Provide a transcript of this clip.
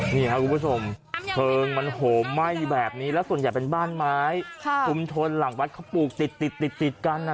นี้ครับกุณผู้ชมเปลวเผลอมันโหเผงไห้แบบนี้แล้วส่วนใหญ่เป็นบ้านไม้